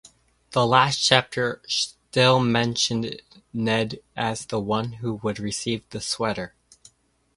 The last chapter still mentioned Ned as the one who would receive the sweater.